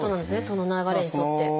その流れに沿って。